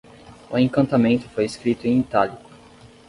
O encantamento foi escrito em itálico.